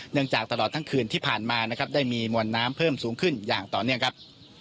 จากตลอดทั้งคืนที่ผ่านมานะครับได้มีมวลน้ำเพิ่มสูงขึ้นอย่างต่อเนื่องครับ